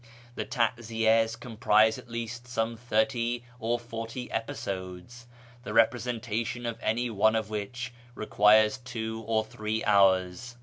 The taziyas comprise at least some thirty or forty episodes, the representation of any one of which requires two or three hours.